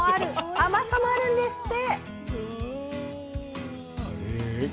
甘さもあるんですって！